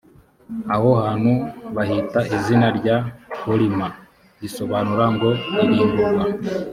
aho hantu bahita izina rya horima, risobanura ngo ’irimburwa’.